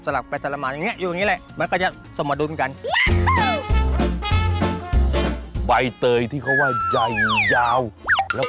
สลับไปสละมาอยู่อย่างนี้แหละ